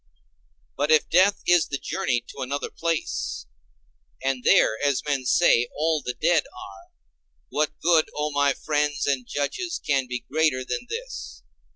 But if death is the journey to another place, and there, as men say, all the dead are, what good, O my friends and judges, can be greater than this?